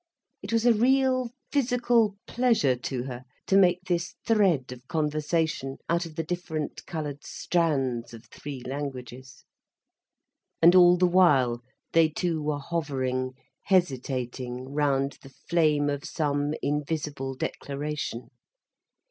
It was a real physical pleasure to her to make this thread of conversation out of the different coloured strands of three languages. And all the while they two were hovering, hesitating round the flame of some invisible declaration.